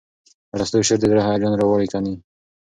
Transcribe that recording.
ارستو شعر د زړه هیجان راوړي ګڼي.